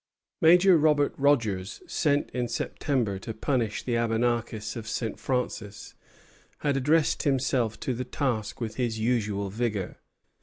Major Robert Rogers, sent in September to punish the Abenakis of St. Francis, had addressed himself to the task with his usual vigor.